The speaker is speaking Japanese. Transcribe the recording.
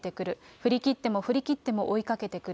振り切っても振り切っても、追いかけてくる。